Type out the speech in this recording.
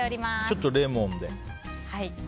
ちょっとレモンで。